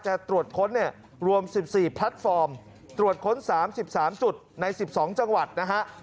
จะตรวจค้นเนี่ยรวม๑๔แพลตฟอร์มตรวจค้น๓๓จุดใน๑๒จังหวัดนะฮะ